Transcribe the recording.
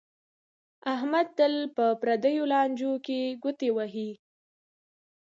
احمد تل په پردیو لانجو کې گوتې وهي